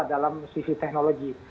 dalam sisi teknologi